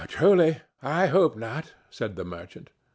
"Truly, I hope not," said the merchant.